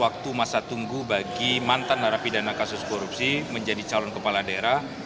waktu masa tunggu bagi mantan narapidana kasus korupsi menjadi calon kepala daerah